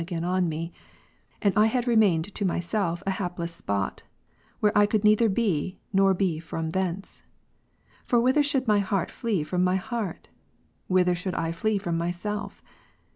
53 again on me ; and I had remained to myself a hapless spot, where I could neither be, nor be from thence. For whither should my heart flee from my heart? Whither should I flee from myself?